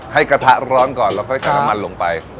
ให้กระทะร้อนก่อนแล้วค่อยกำลังมันลงไป